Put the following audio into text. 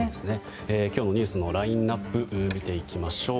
今日のニュースのラインアップ見ていきましょう。